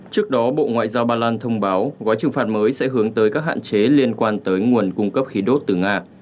trước đó bộ ngoại giao ba lan thông báo gói trừng phạt mới sẽ hướng tới các hạn chế liên quan tới nguồn cung cấp khí đốt từ nga